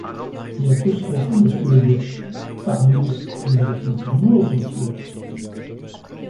Et apostrophant Monsieur Leblanc: — Parbleu! vous vous êtes moqué de moi autrefois !